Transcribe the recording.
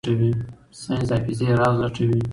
ساینس د حافظې راز لټوي.